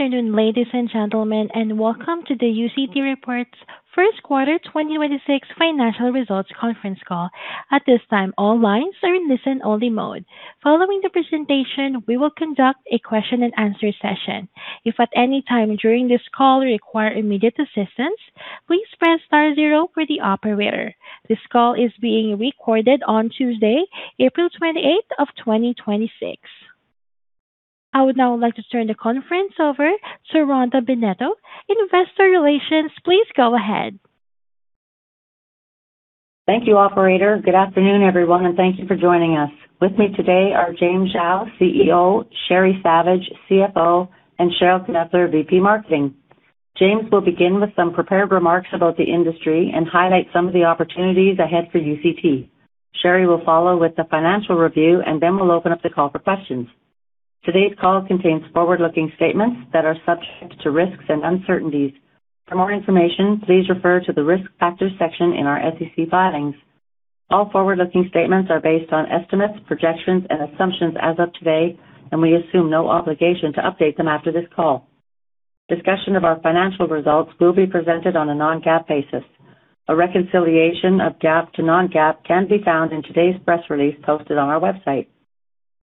Afternoon, ladies and gentlemen, and welcome to the UCT Reports first quarter 2026 financial results conference call. At this time, all lines are in listen-only mode. Following the presentation, we will conduct a question and answer session. If at any time during this call you require immediate assistance, please press star zero for the operator. This call is being recorded on Tuesday, April 28, 2026. I would now like to turn the conference over to Rhonda Bennetto, Investor Relations. Please go ahead. Thank you, operator. Good afternoon, everyone, and thank you for joining us. With me today are James Xiao, CEO, Sheri Savage, CFO, and Cheryl Knepfler, VP Marketing. James will begin with some prepared remarks about the industry and highlight some of the opportunities ahead for UCT. Sheri will follow with the financial review, and then we'll open up the call for questions. Today's call contains forward-looking statements that are subject to risks and uncertainties. For more information, please refer to the risk factors section in our SEC filings. All forward-looking statements are based on estimates, projections, and assumptions as of today, and we assume no obligation to update them after this call. Discussion of our financial results will be presented on a non-GAAP basis. A reconciliation of GAAP to non-GAAP can be found in today's press release posted on our website.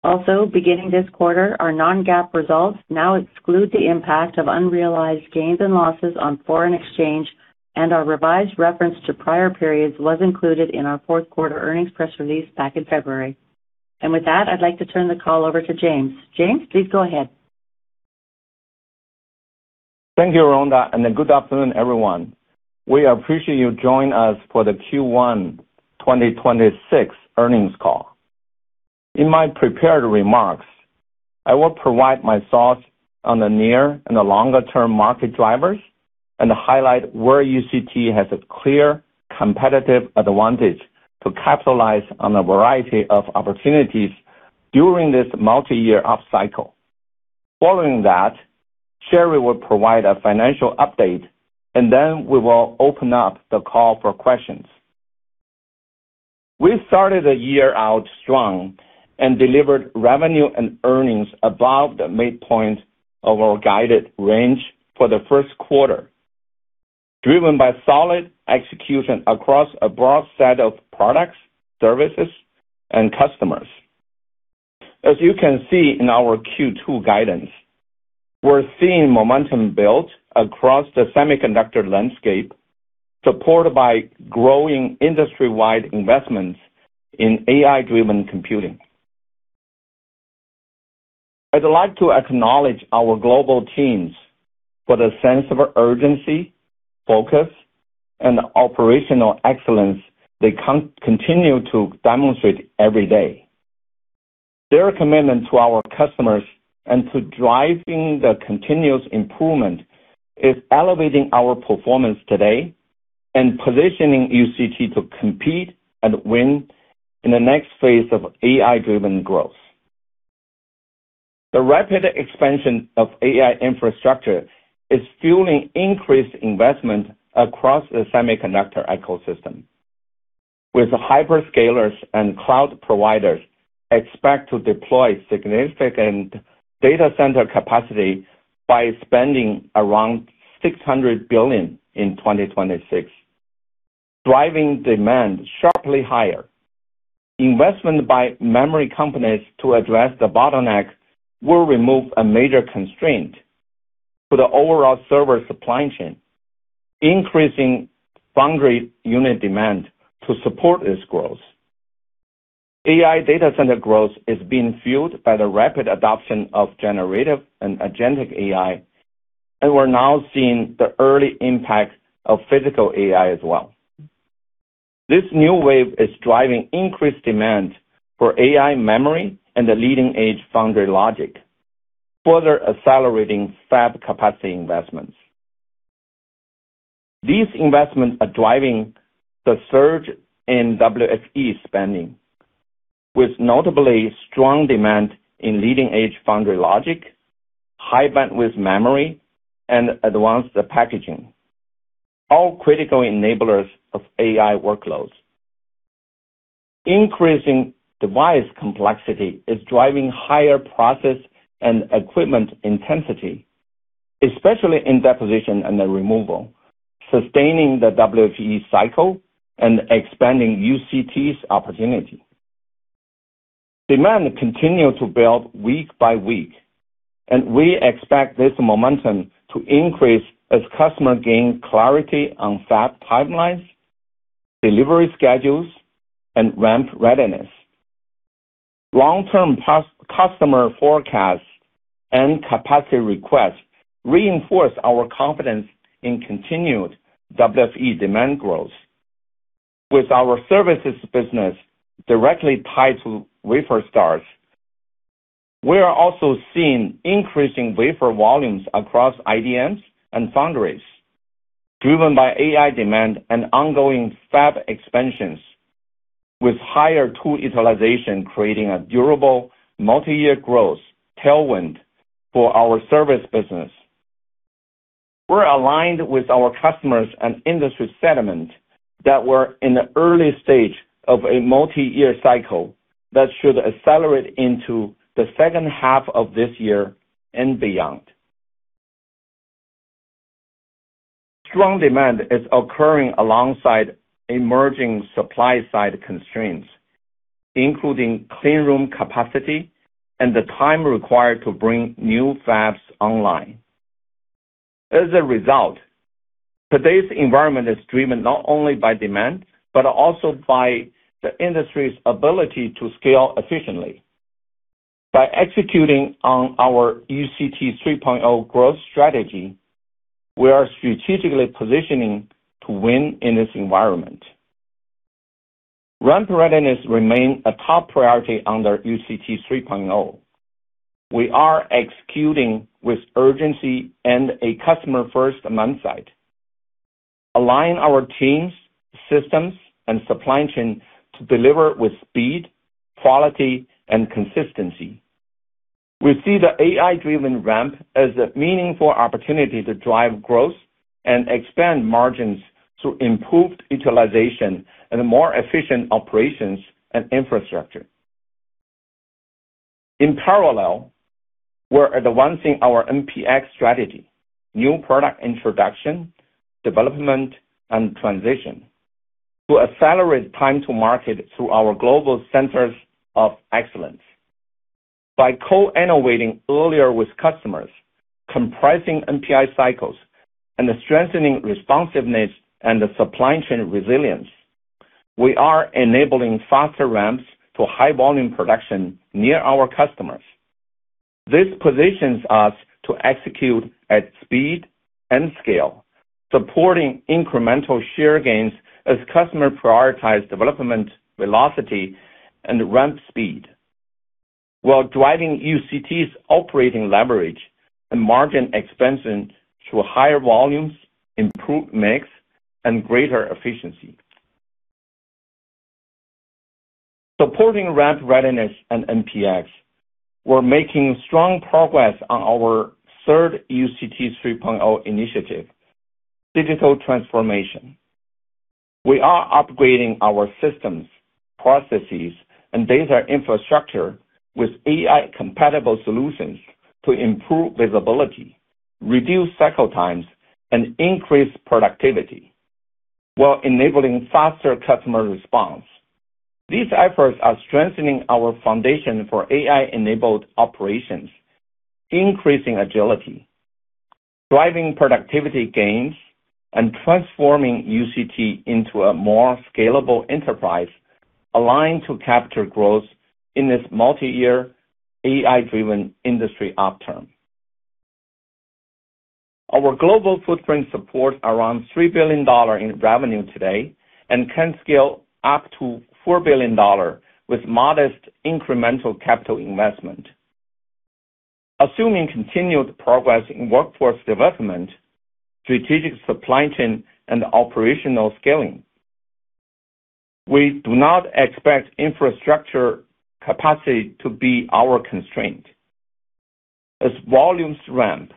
Also, beginning this quarter, our non-GAAP results now exclude the impact of unrealized gains and losses on foreign exchange, and our revised reference to prior periods was included in our fourth quarter earnings press release back in February. With that, I'd like to turn the call over to James. James, please go ahead. Thank you, Rhonda. Good afternoon, everyone. We appreciate you joining us for the Q1 2026 earnings call. In my prepared remarks, I will provide my thoughts on the near and the longer-term market drivers and highlight where UCT has a clear competitive advantage to capitalize on a variety of opportunities during this multi-year upcycle. Following that, Sheri will provide a financial update, and then we will open up the call for questions. We started the year out strong and delivered revenue and earnings above the midpoint of our guided range for the first quarter, driven by solid execution across a broad set of products, services, and customers. As you can see in our Q2 guidance, we're seeing momentum build across the semiconductor landscape, supported by growing industry-wide investments in AI-driven computing. I'd like to acknowledge our global teams for the sense of urgency, focus, and operational excellence they continue to demonstrate every day. Their commitment to our customers and to driving the continuous improvement is elevating our performance today and positioning UCT to compete and win in the next phase of AI-driven growth. The rapid expansion of AI infrastructure is fueling increased investment across the semiconductor ecosystem, with hyperscalers and cloud providers expect to deploy significant data center capacity by spending around $600 billion in 2026, driving demand sharply higher. Investment by memory companies to address the bottleneck will remove a major constraint for the overall server supply chain, increasing foundry unit demand to support this growth. AI data center growth is being fueled by the rapid adoption of generative and agentic AI, and we're now seeing the early impact of physical AI as well. This new wave is driving increased demand for AI memory and the leading-edge foundry logic, further accelerating fab capacity investments. These investments are driving the surge in WFE spending, with notably strong demand in leading-edge foundry logic, high-bandwidth memory, and advanced packaging, all critical enablers of AI workloads. Increasing device complexity is driving higher process and equipment intensity, especially in deposition and removal, sustaining the WFE cycle and expanding UCT's opportunity. Demand continue to build week by week. We expect this momentum to increase as customer gain clarity on fab timelines, delivery schedules, and ramp readiness. Long-term customer forecasts and capacity requests reinforce our confidence in continued WFE demand growth. With our services business directly tied to wafer starts, we are also seeing increasing wafer volumes across IDMs and foundries, driven by AI demand and ongoing fab expansions with higher tool utilization, creating a durable multi-year growth tailwind for our service business. We're aligned with our customers and industry sentiment that we're in the early stage of a multi-year cycle that should accelerate into the second half of this year and beyond. Strong demand is occurring alongside emerging supply-side constraints, including clean room capacity and the time required to bring new fabs online. As a result, today's environment is driven not only by demand, but also by the industry's ability to scale efficiently. By executing on our UCT 3.0 growth strategy, we are strategically positioning to win in this environment. Ramp readiness remain a top priority under UCT 3.0. We are executing with urgency and a customer-first mindset. Align our teams, systems, and supply chain to deliver with speed, quality, and consistency. We see the AI-driven ramp as a meaningful opportunity to drive growth and expand margins through improved utilization and more efficient operations and infrastructure. In parallel, we're advancing our NPI strategy, new product introduction, development, and transition, to accelerate time to market through our global centers of excellence. By co-innovating earlier with customers, compressing NPI cycles, and strengthening responsiveness and the supply chain resilience, we are enabling faster ramps to high volume production near our customers. This positions us to execute at speed and scale, supporting incremental share gains as customers prioritize development, velocity, and ramp speed, while driving UCT's operating leverage and margin expansion through higher volumes, improved mix, and greater efficiency. Supporting ramp readiness and NPIs, we're making strong progress on our third UCT 3.0 initiative, digital transformation. We are upgrading our systems, processes, and data infrastructure with AI-compatible solutions to improve visibility, reduce cycle times, and increase productivity while enabling faster customer response. These efforts are strengthening our foundation for AI-enabled operations, increasing agility, driving productivity gains, and transforming UCT into a more scalable enterprise aligned to capture growth in this multi-year AI-driven industry upturn. Our global footprint supports around $3 billion in revenue today and can scale up to $4 billion with modest incremental capital investment. Assuming continued progress in workforce development, strategic supply chain, and operational scaling, we do not expect infrastructure capacity to be our constraint. As volumes ramp,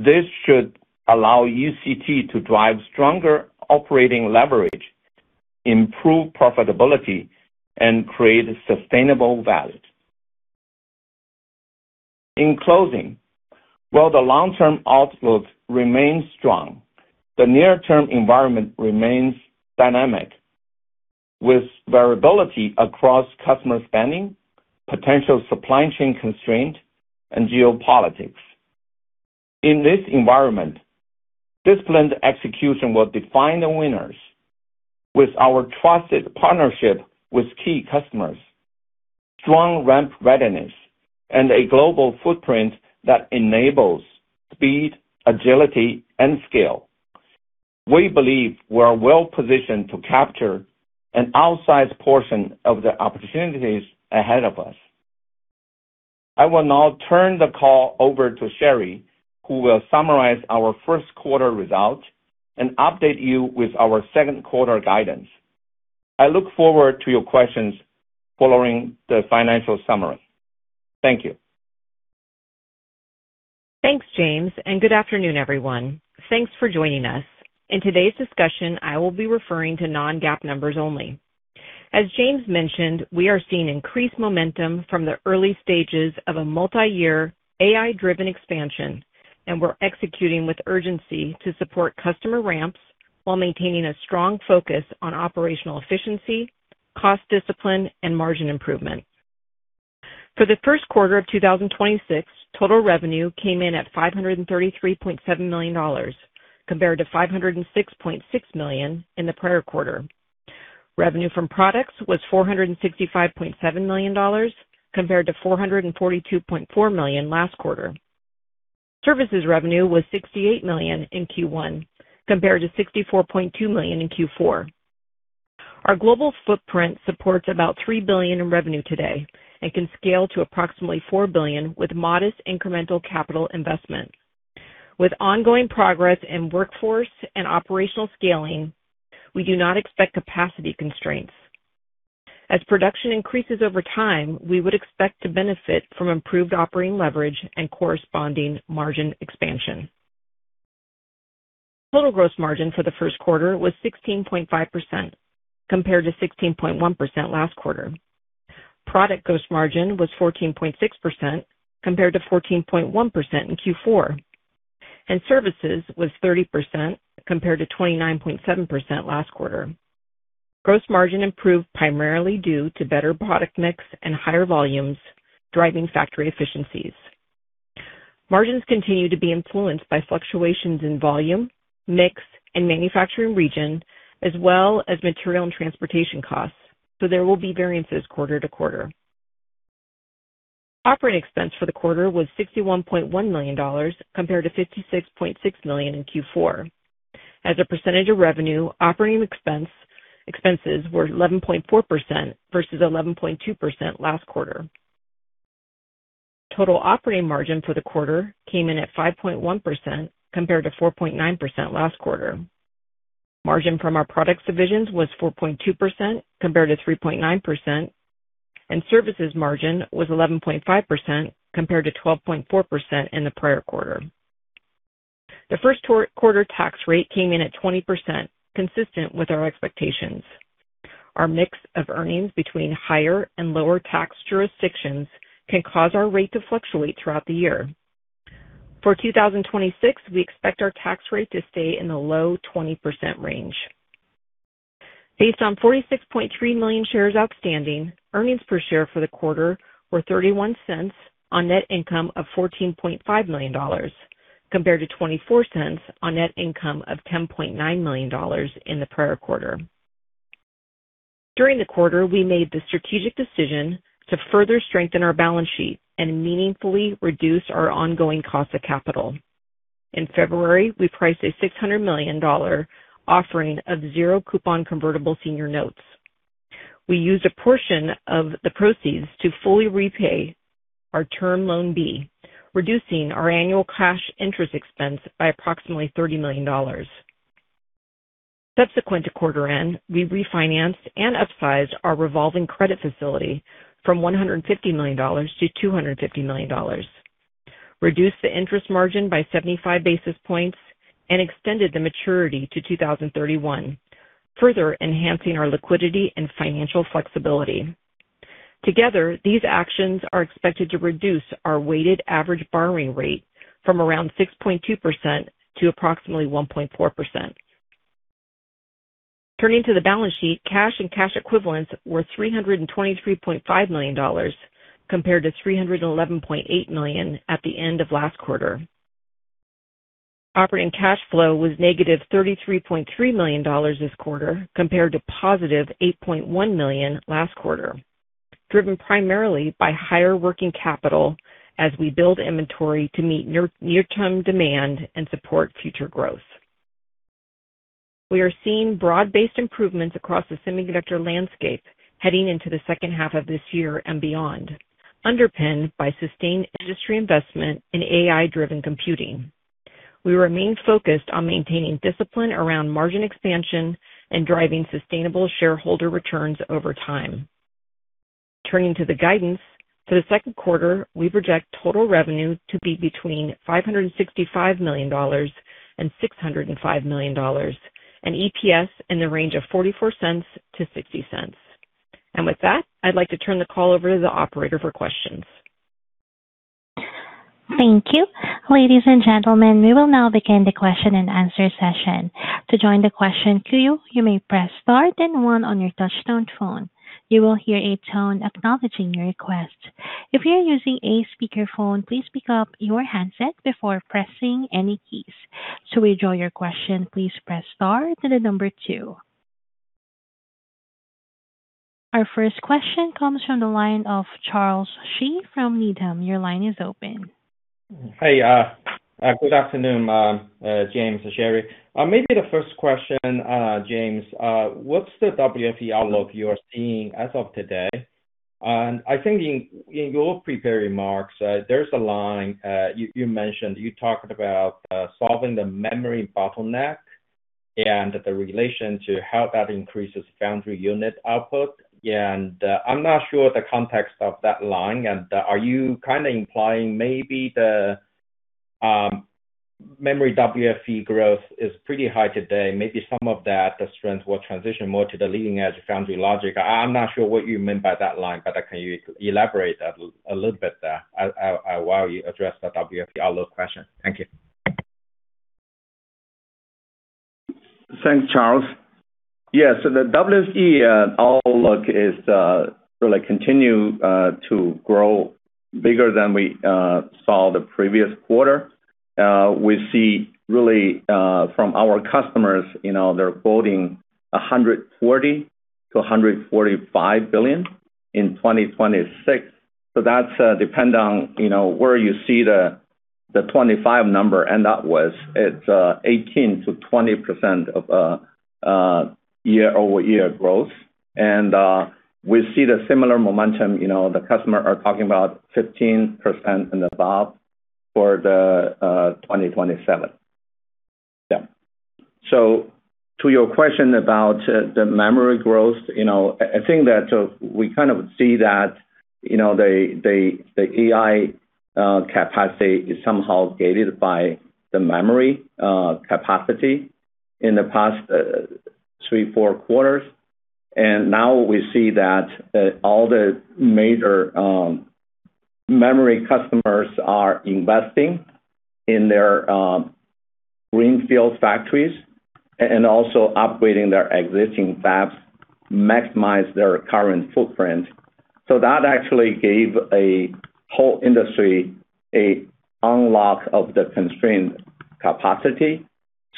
this should allow UCT to drive stronger operating leverage, improve profitability, and create sustainable value. In closing, while the long-term outlook remains strong, the near-term environment remains dynamic, with variability across customer spending, potential supply chain constraint, and geopolitics. In this environment, disciplined execution will define the winners. With our trusted partnership with key customers, strong ramp readiness, and a global footprint that enables speed, agility, and scale, we believe we're well-positioned to capture an outsized portion of the opportunities ahead of us. I will now turn the call over to Sheri, who will summarize our first quarter results and update you with our second quarter guidance. I look forward to your questions following the financial summary. Thank you. Thanks, James, and good afternoon, everyone. Thanks for joining us. In today's discussion, I will be referring to non-GAAP numbers only. As James mentioned, we are seeing increased momentum from the early stages of a multi-year AI-driven expansion, and we're executing with urgency to support customer ramps while maintaining a strong focus on operational efficiency, cost discipline, and margin improvement. For the first quarter of 2026, total revenue came in at $533.7 million, compared to $506.6 million in the prior quarter. Revenue from products was $465.7 million, compared to $442.4 million last quarter. Services revenue was $68 million in Q1, compared to $64.2 million in Q4. Our global footprint supports about $3 billion in revenue today and can scale to approximately $4 billion with modest incremental capital investment. With ongoing progress in workforce and operational scaling, we do not expect capacity constraints. As production increases over time, we would expect to benefit from improved operating leverage and corresponding margin expansion. Total gross margin for the first quarter was 16.5%, compared to 16.1% last quarter. Product gross margin was 14.6% compared to 14.1% in Q4, and services was 30% compared to 29.7% last quarter. Gross margin improved primarily due to better product mix and higher volumes, driving factory efficiencies. Margins continue to be influenced by fluctuations in volume, mix, and manufacturing region, as well as material and transportation costs, so there will be variances quarter-to-quarter. Operating expense for the quarter was $61.1 million compared to $56.6 million in Q4. As a percentage of revenue, operating expenses were 11.4% versus 11.2% last quarter. Total operating margin for the quarter came in at 5.1% compared to 4.9% last quarter. Margin from our products divisions was 4.2% compared to 3.9%, and services margin was 11.5% compared to 12.4% in the prior quarter. The first quarter tax rate came in at 20%, consistent with our expectations. Our mix of earnings between higher and lower tax jurisdictions can cause our rate to fluctuate throughout the year. For 2026, we expect our tax rate to stay in the low 20% range. Based on 46.3 million shares outstanding, earnings per share for the quarter were $0.31 on net income of $14.5 million, compared to $0.24 on net income of $10.9 million in the prior quarter. During the quarter, we made the strategic decision to further strengthen our balance sheet and meaningfully reduce our ongoing cost of capital. In February, we priced a $600 million offering of zero coupon convertible senior notes. We used a portion of the proceeds to fully repay our Term Loan B, reducing our annual cash interest expense by approximately $30 million. Subsequent to quarter end, we refinanced and upsized our revolving credit facility from $150 million to $250 million, reduced the interest margin by 75 basis points, and extended the maturity to 2031, further enhancing our liquidity and financial flexibility. Together, these actions are expected to reduce our weighted average borrowing rate from around 6.2% to approximately 1.4%. Turning to the balance sheet, cash and cash equivalents were $323.5 million compared to $311.8 million at the end of last quarter. Operating cash flow was negative $33.3 million this quarter compared to positive $8.1 million last quarter, driven primarily by higher working capital as we build inventory to meet near-term demand and support future growth. We are seeing broad-based improvements across the semiconductor landscape heading into the second half of this year and beyond, underpinned by sustained industry investment in AI-driven computing. We remain focused on maintaining discipline around margin expansion and driving sustainable shareholder returns over time. Turning to the guidance, for the second quarter, we project total revenue to be between $565 million and $605 million, and EPS in the range of $0.44-$0.60. With that, I'd like to turn the call over to the operator for questions. Thank you. Ladies and gentlemen, we will now begin the question and answer session. To join the question queue, you may press star then one on your touchtone phone. You will hear a tone acknowledging your request. If you are using a speaker phone, please pick up your headset before pressing any keys. To withdraw your question, please press star and the number two. Our first question comes from the line of Charles Shi from Needham. Your line is open. Hey, good afternoon, James and Sheri. Maybe the first question, James, what's the WFE outlook you are seeing as of today? I think in your prepared remarks, there's a line you mentioned, you talked about solving the memory bottleneck and the relation to how that increases foundry unit output. I'm not sure the context of that line. Are you kind of implying maybe the memory WFE growth is pretty high today, maybe some of that, the strength will transition more to the leading-edge foundry logic? I'm not sure what you meant by that line, but can you elaborate a little bit there as well you address the WFE outlook question? Thank you. Thanks, Charles. The WFE outlook is really continue to grow bigger than we saw the previous quarter. We see really from our customers, you know, they're quoting $140 billion-$145 billion in 2026. That's depend on, you know, where you see the 2025 number end up with. It's 18%-20% of year-over-year growth. We see the similar momentum. You know, the customer are talking about 15% and above for the 2027. Yeah. To your question about the memory growth, you know, I think that we kind of see that, you know, the AI capacity is somehow gated by the memory capacity in the past three, four quarters. Now we see that all the major memory customers are investing in their greenfield factories and also upgrading their existing fabs, maximize their current footprint. That actually gave a whole industry a unlock of the constrained capacity.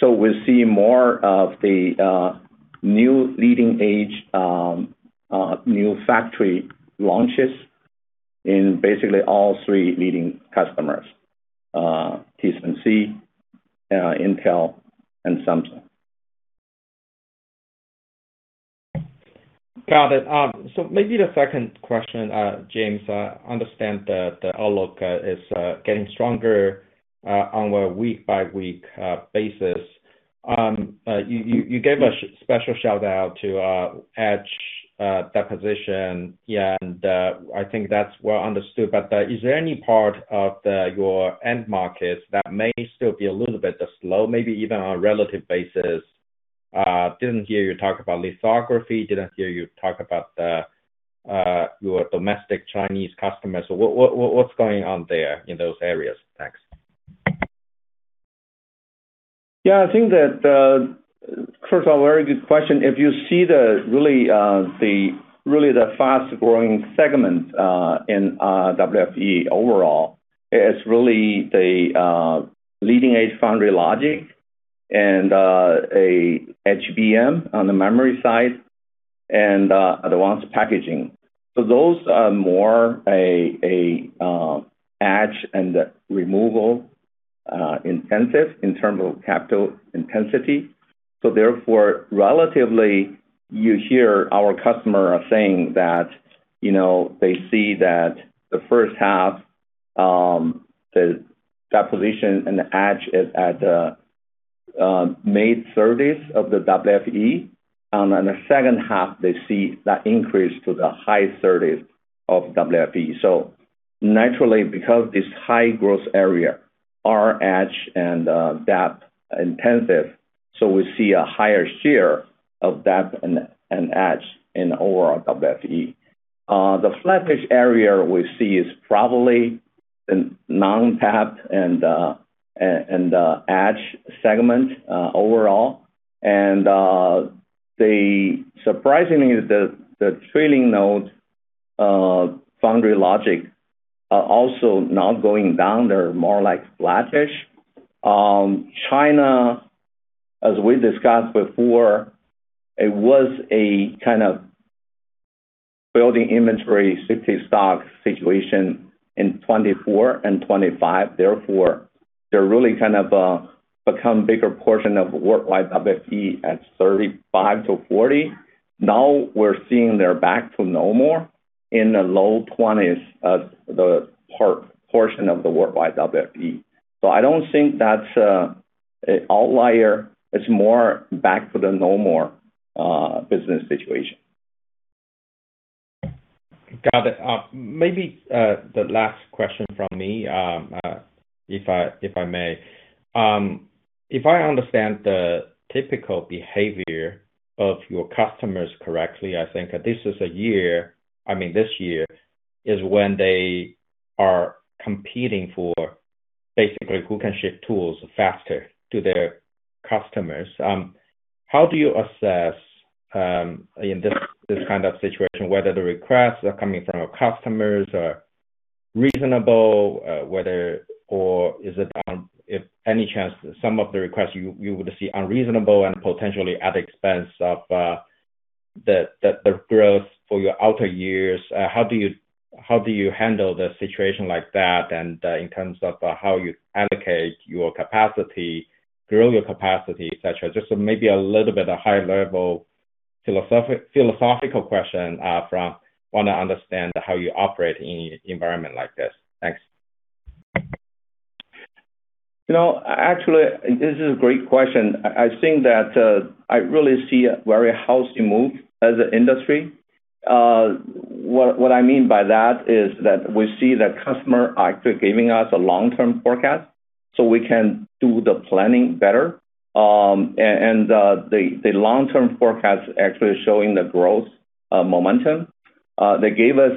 We're seeing more of the new leading-edge new factory launches in basically all three leading customers, TSMC, Intel and Samsung. Got it. Maybe the second question, James. Understand that the outlook is getting stronger on a week-by-week basis. You gave a special shout-out to etch, deposition. Yeah, and I think that's well understood. Is there any part of your end markets that may still be a little bit slow, maybe even on a relative basis? Didn't hear you talk about lithography, didn't hear you talk about your domestic Chinese customers. What's going on there in those areas? Thanks. Yeah. I think that, first of all, very good question. If you see the really the fast-growing segment in WFE overall, it's really the leading-edge foundry logic and HBM on the memory side and advanced packaging. Those are more etch and removal intensive in terms of capital intensity. Therefore, relatively, you hear our customer are saying that, you know, they see that the first half, the deposition and the etch is at mid-30s of the WFE. On the second half, they see that increase to the high 30s of WFE. Naturally, because this high-growth area are etch and dep intensive, so we see a higher share of dep and etch in overall WFE. The flattish area we see is probably the non-dep and etch segment overall. Surprisingly is the trailing node foundry logic are also not going down. They're more like flattish. China, as we discussed before, it was a kind of building inventory, safety stock situation in 2024 and 2025. They're really kind of become bigger portion of worldwide WFE at 35%-40%. We're seeing they're back to normal in the low 20s% as the portion of the worldwide WFE. I don't think that's an outlier. It's more back to the normal business situation. Got it. Maybe the last question from me, if I may. If I understand the typical behavior of your customers correctly, I think this is a year, I mean this year is when they are competing for basically who can ship tools faster to their customers. How do you assess in this kind of situation, whether the requests are coming from your customers are reasonable, whether or is it, if any chance some of the requests you would see unreasonable and potentially at expense of the growth for your outer years? How do you handle the situation like that, and in terms of how you allocate your capacity, grow your capacity, et cetera? Just maybe a little bit of high-level philosophical question, from wanna understand how you operate in environment like this. Thanks. You know, actually, this is a great question. I think that I really see a very healthy move as an industry. What I mean by that is that we see that customer actually giving us a long-term forecast, so we can do the planning better. The long-term forecast actually showing the growth momentum. They gave us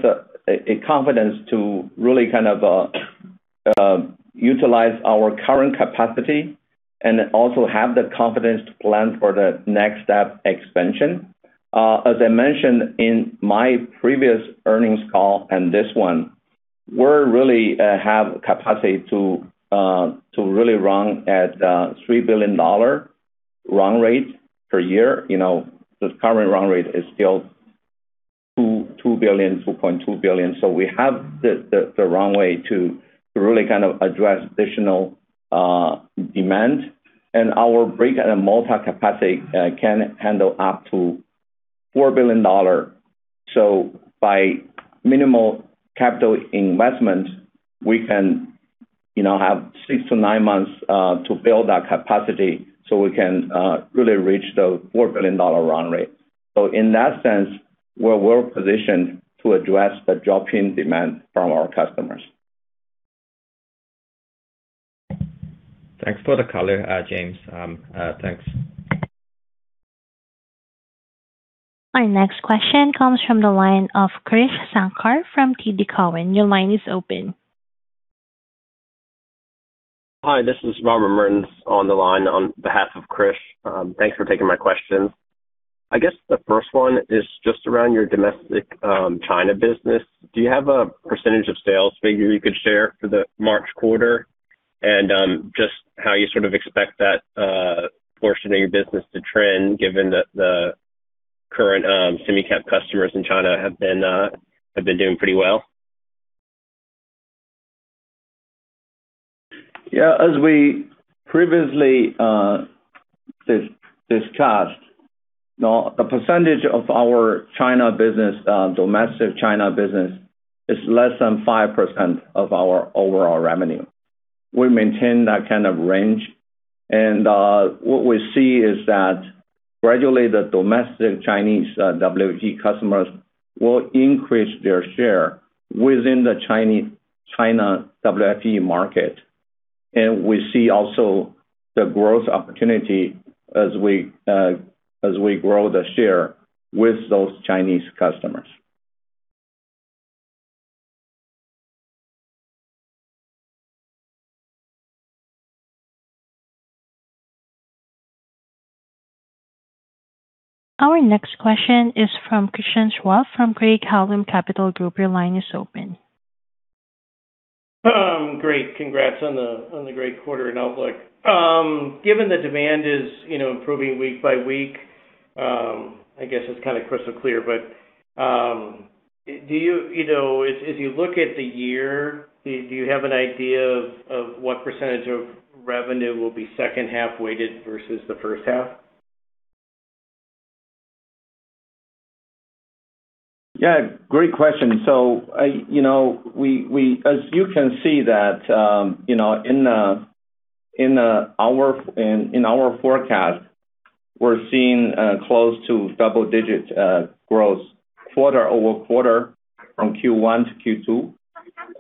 a confidence to really kind of utilize our current capacity and also have the confidence to plan for the next step expansion. As I mentioned in my previous earnings call and this one, we're really have capacity to really run at $3 billion run rate per year. You know, this current run rate is still $2.2 billion. We have the runway to really kind of address additional demand. Our break and multi-capacity can handle up to $4 billion. By minimal capital investment, we can, you know, have six to nine months to build that capacity, so we can really reach the $4 billion run rate. In that sense, we're well-positioned to address the drop-in demand from our customers. Thanks for the color, James. Thanks. Our next question comes from the line of Krish Sankar from TD Cowen. Your line is open. Hi, this is Robert Mertens on the line on behalf of Krish. Thanks for taking my questions. I guess the first one is just around your domestic China business. Do you have a percentage of sales figure you could share for the March quarter? Just how you sort of expect that portion of your business to trend, given the current semi cap customers in China have been doing pretty well. Yeah, as we previously discussed, you know, a percentage of our China business, domestic China business is less than 5% of our overall revenue. We maintain that kind of range, and what we see is that gradually the domestic Chinese WFE customers will increase their share within the China WFE market. We see also the growth opportunity as we grow the share with those Chinese customers. Our next question is from Christian Schwab from Craig-Hallum Capital Group. Your line is open. Great. Congrats on the, on the great quarter and outlook. Given the demand is, you know, improving week by week, I guess it's kind of crystal clear, but do you know, as you look at the year, do you have an idea of what percentage of revenue will be second half weighted versus the first half? Yeah, great question. You know, as you can see that, you know, in our forecast, we're seeing close to double digits growth quarter-over-quarter from Q1 to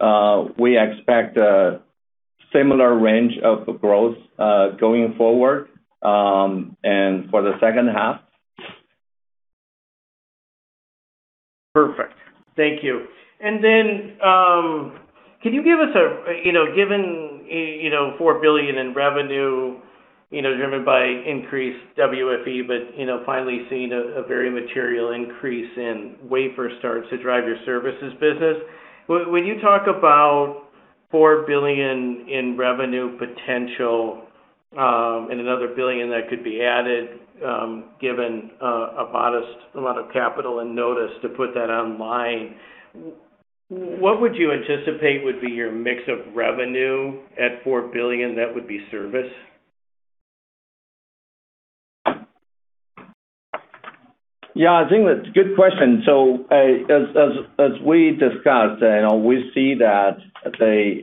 Q2. We expect a similar range of growth going forward and for the second half. Perfect. Thank you. Then, can you give us a, you know, given, you know, $4 billion in revenue, you know, driven by increased WFE, but, you know, finally seeing a very material increase in wafer starts to drive your services business. When you talk about $4 billion in revenue potential, and another $1 billion that could be added, given a modest amount of capital and notice to put that online, what would you anticipate would be your mix of revenue at $4 billion that would be service? Yeah, I think that's a good question. As we discussed, you know, we see that the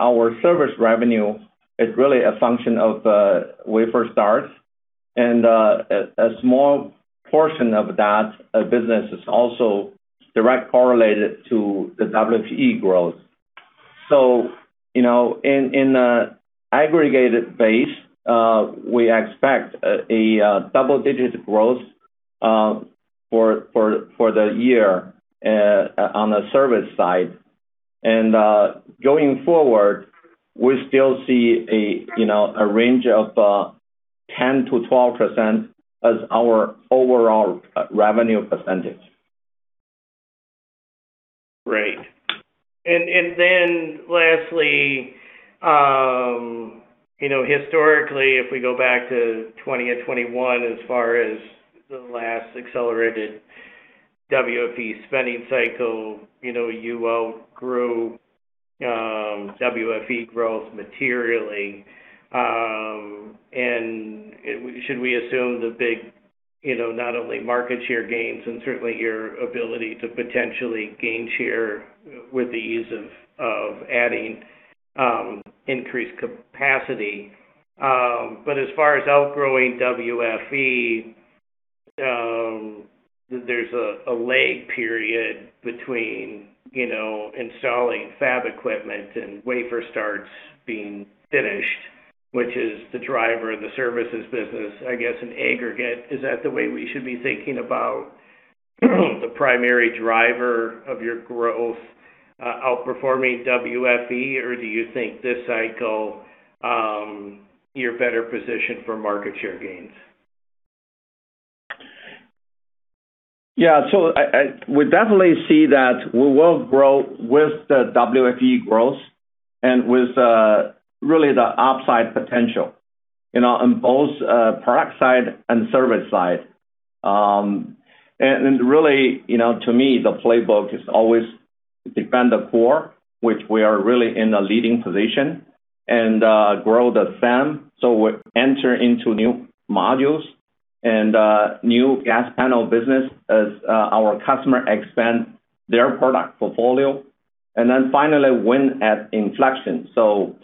our services revenue is really a function of wafer starts. A small portion of that business is also direct correlated to the WFE growth. You know, in aggregated base, we expect a double-digit growth for the year on the services side. Going forward, we still see a, you know, a range of 10%-12% as our overall revenue percentage. Great. Then lastly, you know, historically, if we go back to 2020 and 2021, as far as the last accelerated WFE spending cycle, you know, you outgrew WFE growth materially. Should we assume the big, you know, not only market share gains and certainly your ability to potentially gain share with the ease of adding increased capacity. As far as outgrowing WFE, there's a lag period between, you know, installing fab equipment and wafer starts being finished, which is the driver of the services business, I guess, in aggregate. Is that the way we should be thinking about the primary driver of your growth outperforming WFE? Do you think this cycle, you're better positioned for market share gains? Yeah. We definitely see that we will grow with the WFE growth and with, really the upside potential, you know, on both, product side and service side. And really, you know, to me, the playbook is always. Defend the core, which we are really in a leading position, and grow the fam. We enter into new modules and new gas panel business as our customer expand their product portfolio. Finally, win at inflection.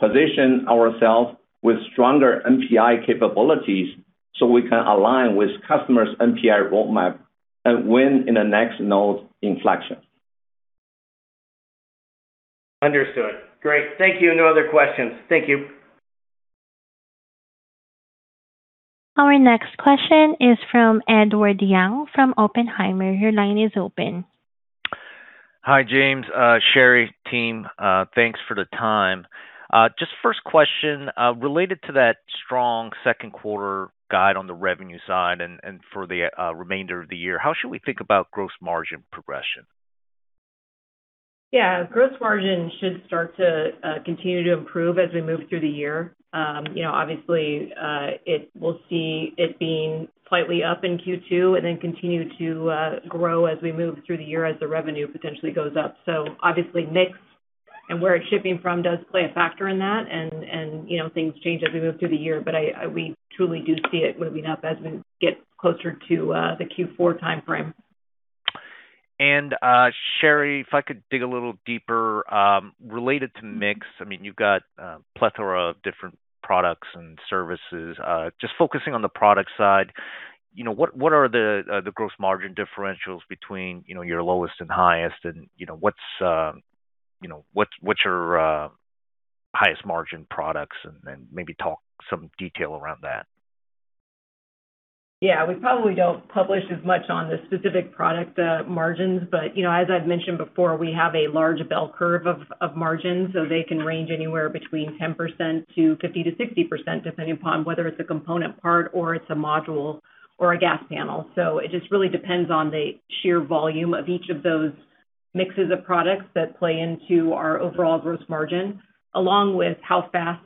Position ourselves with stronger NPI capabilities, so we can align with customers' NPI roadmap and win in the next node inflection. Understood. Great. Thank you. No other questions. Thank you. Our next question is from Edward Yang from Oppenheimer. Your line is open. Hi, James, Sheri, team, thanks for the time. Just first question, related to that strong second quarter guide on the revenue side and for the remainder of the year, how should we think about gross margin progression? Gross margin should start to continue to improve as we move through the year. You know, obviously, it will see it being slightly up in Q2 and then continue to grow as we move through the year as the revenue potentially goes up. Obviously, mix and where it's shipping from does play a factor in that. You know, things change as we move through the year, but I, we truly do see it moving up as we get closer to the Q4 timeframe. Sheri, if I could dig a little deeper, related to mix. I mean, you've got a plethora of different products and services. Just focusing on the product side, you know, what are the gross margin differentials between, you know, your lowest and highest and, you know, what's your highest margin products and then maybe talk some detail around that? Yeah. We probably don't publish as much on the specific product margins, you know, as I've mentioned before, we have a large bell curve of margins. They can range anywhere between 10% to 50%-60%, depending upon whether it's a component part or it's a module or a gas panel. It just really depends on the sheer volume of each of those mixes of products that play into our overall gross margin, along with how fast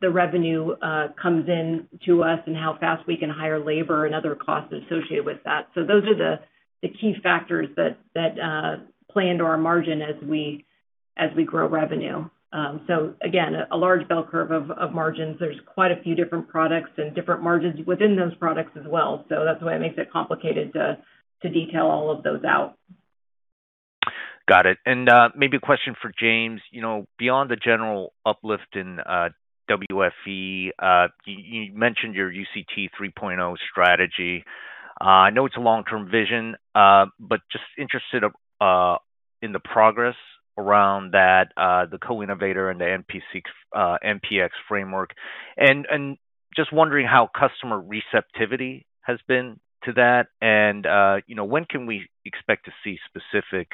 the revenue comes in to us and how fast we can hire labor and other costs associated with that. Those are the key factors that play into our margin as we grow revenue. Again, a large bell curve of margins. There's quite a few different products and different margins within those products as well. That's why it makes it complicated to detail all of those out. Got it. Maybe a question for James. You know, beyond the general uplift in WFE, you mentioned your UCT 3.0 strategy. I know it's a long-term vision, but just interested in the progress around that, the co-innovator and the NPI, MPX framework. Just wondering how customer receptivity has been to that. You know, when can we expect to see specific,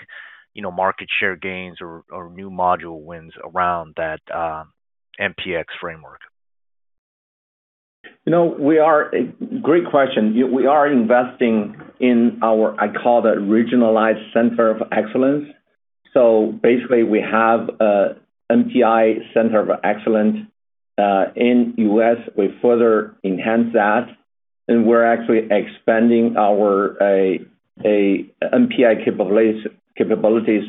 you know, market share gains or new module wins around that MPX framework? You know, great question. We are investing in our, I call it, regionalized center of excellence. Basically, we have a NPI center of excellence in U.S. We further enhance that, we're actually expanding our a NPI capabilities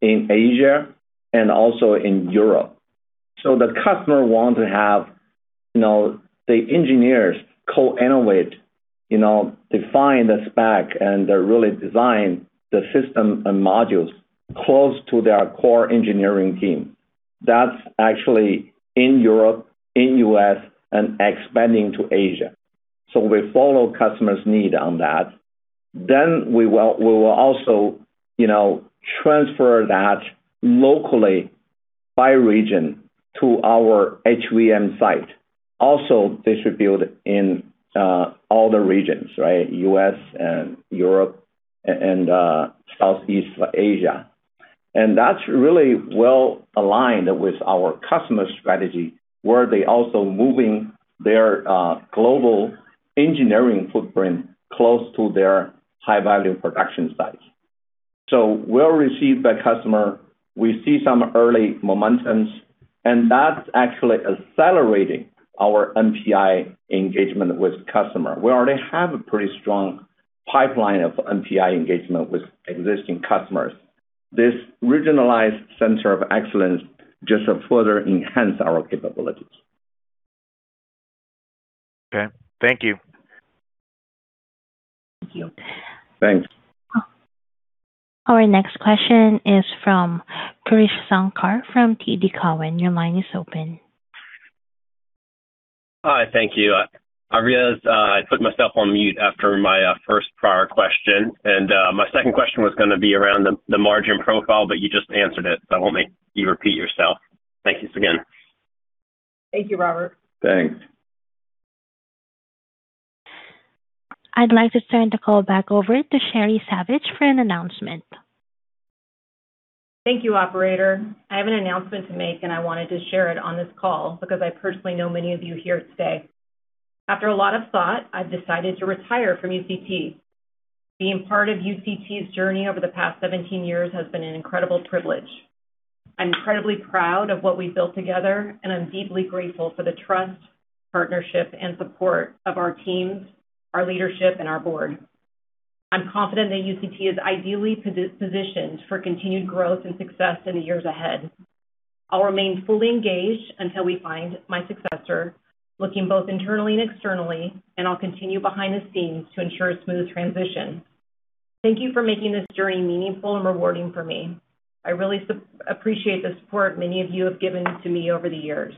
in Asia and also in Europe. The customer want to have, you know, the engineers co-innovate, you know, define the spec, they really design the system and modules close to their core engineering team. That's actually in Europe, in U.S., expanding to Asia. We follow customers' need on that. We will also, you know, transfer that locally by region to our HVM site, also distribute in all the regions, right? U.S. and Europe and Southeast Asia. That's really well aligned with our customer strategy, where they also moving their global engineering footprint close to their high-value production sites. Well received by customer. We see some early momentums, and that's actually accelerating our NPI engagement with customer. We already have a pretty strong pipeline of NPI engagement with existing customers. This regionalized center of excellence just to further enhance our capabilities. Okay. Thank you. Thank you. Thanks. Our next question is from Krish Sankar from TD Cowen. Your line is open. Hi. Thank you. I realized I put myself on mute after my first prior question. My second question was gonna be around the margin profile, but you just answered it, so I won't make you repeat yourself. Thank you again. Thank you, Robert. Thanks. I'd like to turn the call back over to Sheri Savage for an announcement. Thank you, operator. I have an announcement to make, and I wanted to share it on this call because I personally know many of you here today. After a lot of thought, I've decided to retire from UCT. Being part of UCT's journey over the past 17 years has been an incredible privilege. I'm incredibly proud of what we've built together, and I'm deeply grateful for the trust, partnership, and support of our teams, our leadership, and our board. I'm confident that UCT is ideally positioned for continued growth and success in the years ahead. I'll remain fully engaged until we find my successor, looking both internally and externally, and I'll continue behind the scenes to ensure a smooth transition. Thank you for making this journey meaningful and rewarding for me. I really appreciate the support many of you have given to me over the years.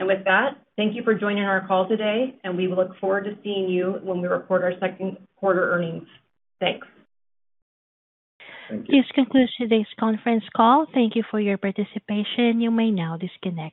With that, thank you for joining our call today, and we look forward to seeing you when we report our second quarter earnings. Thanks. Thank you. This concludes today's conference call. Thank you for your participation. You may now disconnect.